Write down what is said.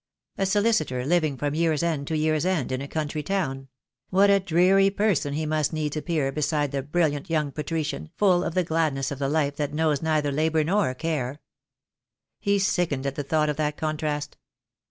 A solicitor living from year's end to year's end in a country town — what a dreary person he must needs appear beside the brilliant young Patrician, full of the gladness of the life that knows neither labour nor care. He sickened at the thought of that contrast.